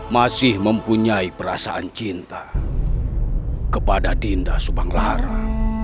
masih mempunyai perasaan cinta kepada dinda subang lara